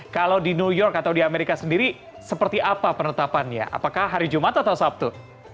kalau di new york atau di amerika sendiri seperti apa penetapannya apakah hari jumat atau sabtu